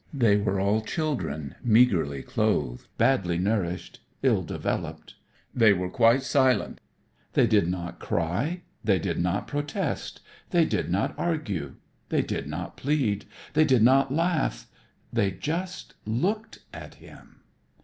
They were all children, meagerly clothed, badly nourished, ill developed. They were quite silent. They did not cry. They did not protest. They did not argue. They did not plead. They did not laugh. They just looked at him.